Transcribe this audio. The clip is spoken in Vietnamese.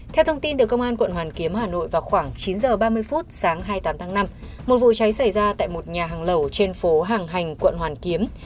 theo thông tin từ công an quận hoàn kiếm hà nội vào khoảng chín h ba mươi phút sáng hai mươi tám tháng năm một vụ cháy xảy ra tại một nhà hàng lẩu trên phố hàng hành quận hoàn kiếm